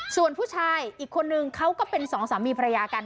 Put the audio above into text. ส่วนผู้ชายอีกคนนึงเขาก็เป็นสองสามีภรรยากัน